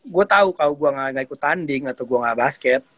gue tau kalau gue gak ikut tanding atau gue gak basket